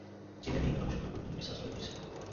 জিমেইলে email অনুসন্ধান করার জন্য একটি সার্চ বার রয়েছে।